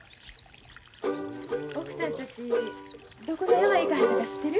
奥さんたちどこの山行かはったか知ってる？